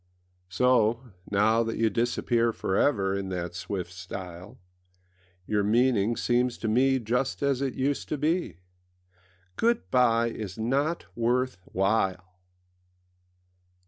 So, now that you disappear For ever in that swift style, Your meaning seems to me Just as it used to be: âGood bye is not worth while!